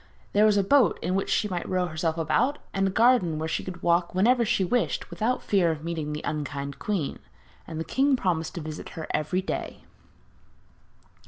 There was a boat in which she might row herself about, and a garden where she could walk whenever she wished without fear of meeting the unkind queen; and the king promised to visit her every day.